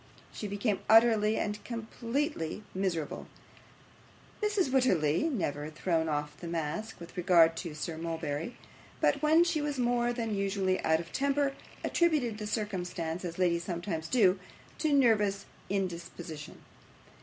She became utterly and completely miserable. Mrs. Wititterly had never thrown off the mask with regard to Sir Mulberry, but when she was more than usually out of temper, attributed the circumstance, as ladies sometimes do, to nervous indisposition.